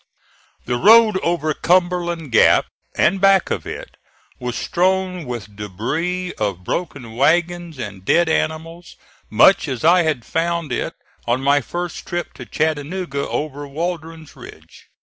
The road over Cumberland Gap, and back of it, was strewn with debris of broken wagons and dead animals, much as I had found it on my first trip to Chattanooga over Waldron's Ridge.